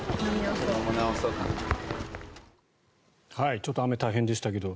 ちょっと雨大変でしたけど。